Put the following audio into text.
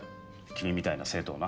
君みたいな生徒をな。